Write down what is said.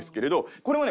これもね